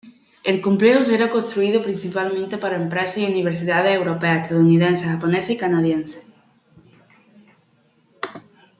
El complejo será construido principalmente por empresas y universidades europeas, estadounidenses, japonesas y canadienses.